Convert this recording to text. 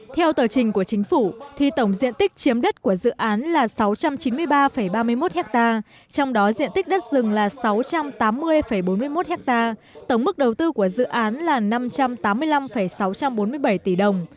theo tờ trình của chính phủ thì tổng diện tích chiếm đất của dự án là sáu trăm chín mươi ba ba mươi một ha trong đó diện tích đất rừng là sáu trăm tám mươi bốn mươi một hectare tổng mức đầu tư của dự án là năm trăm tám mươi năm sáu trăm bốn mươi bảy tỷ đồng